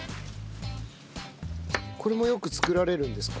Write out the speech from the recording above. これもよく作られるんですか？